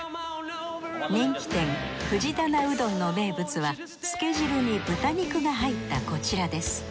人気店藤店うどんの名物はつけ汁に豚肉が入ったこちらです。